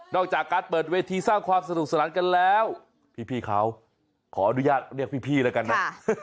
จากการเปิดเวทีสร้างความสนุกสนานกันแล้วพี่เขาขออนุญาตเรียกพี่แล้วกันนะ